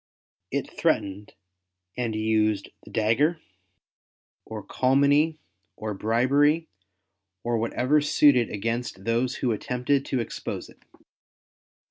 It threatened and used the dagger, or calumny, or bribery, or whatever suited against those who attempted to expose it.